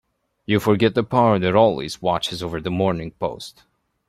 You forget the power that always watches over the Morning Post.